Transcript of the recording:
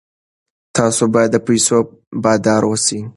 تاسو باید د پیسو بادار اوسئ.